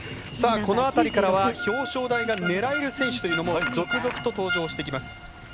この辺りからは表彰台が狙える選手というのも続々と登場してきます。